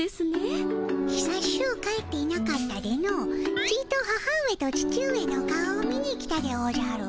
ひさしゅう帰っていなかったでのちと母上と父上の顔を見に来たでおじゃる。